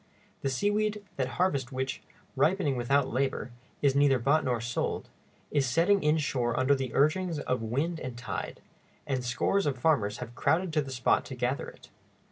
The seaweed, that harvest which, ripening without labor, is neither bought nor sold, is setting inshore under the urgings of wind and tide, and scores of farmers have crowded to the spot to gather it.